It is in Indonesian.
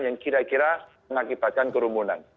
yang kira kira mengakibatkan kerumunan